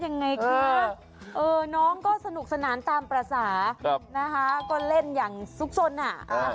น้องก็สนุกสนานตามประสาทนะฮะก็เล่นอย่างซุกสนอ่ะ